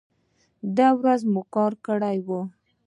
د ورځې مو کار کړی و.